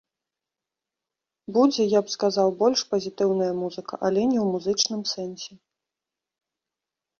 Будзе, я б сказаў, больш пазітыўная музыка, але не ў музычным сэнсе.